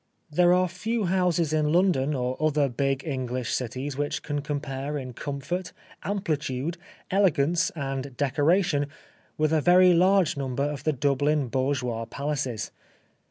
There are few houses in London or other big English cities which can compare in comfort, amplitude, elegance and decoration with a very large number of the Dublin bourgeois palaces.